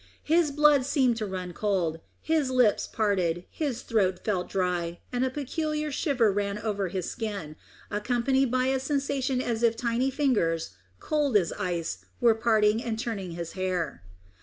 His blood seemed to run cold, his lips parted, his throat felt dry, and a peculiar shiver ran over his skin, accompanied by a sensation as if tiny fingers, cold as ice, were parting and turning his hair.